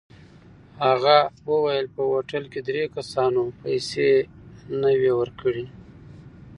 هغه وویل په هوټل کې درې کسانو پیسې نه وې ورکړې.